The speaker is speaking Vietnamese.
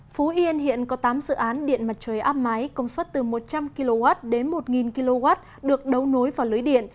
phú yên hiện có tám dự án điện mặt trời áp máy công suất từ một trăm linh kw đến một kw được đấu nối vào lưới điện